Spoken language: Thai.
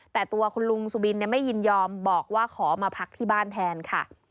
แต่ตัวคุณลุงสุบินไม่ยินยอมบอกว่าขอมาพักที่บ้านแทนค่ะ